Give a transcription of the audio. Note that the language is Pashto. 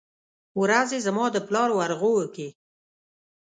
ورځې زما د پلار ورغوو کې ،